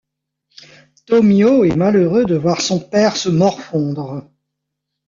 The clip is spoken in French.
Tomio est malheureux de voir son père se morfondre.